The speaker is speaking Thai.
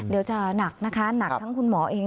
เดี๋ยวจะหนักนะคะหนักทั้งคุณหมอเอง